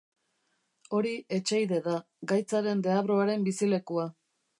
Hori Echeide da, gaitzaren deabruaren bizilekua.